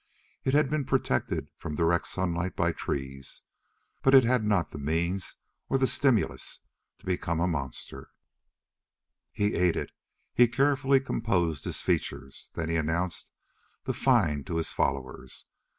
It had been protected from direct sunlight by trees, but it had not had the means or the stimulus to become a monster. Burl ate it. He carefully composed his features. Then he announced the find to his followers.